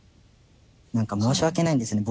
何か申し訳ないんですよね。